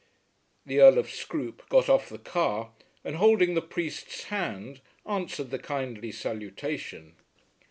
The Earl of Scroope got off the car, and holding the priest's hand, answered the kindly salutation.